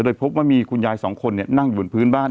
โดยพบว่ามีคุณยายสองคนนั่งอยู่บนพื้นบ้าน